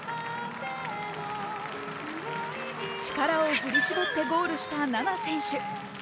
力を振り絞ってゴールした菜那選手。